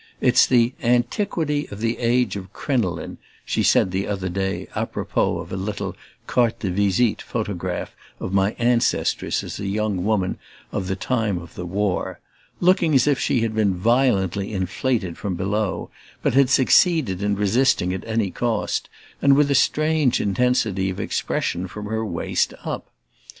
It's the "antiquity of the age of crinoline," she said the other day a propos of a little carte de visite photograph of my ancestress as a young woman of the time of the War; looking as if she had been violently inflated from below, but had succeeded in resisting at any cost, and with a strange intensity of expression, from her waist up.